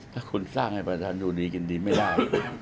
ถ้าคุณสร้างให้ประชาชนอยู่ดีกินดีไม่ได้